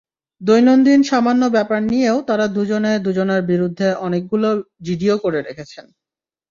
দৈনন্দিন সামান্য ব্যাপার নিয়েও তাঁরা দুজনে দুজনার বিরুদ্ধে অনেকগুলো জিডিও করে রেখেছেন।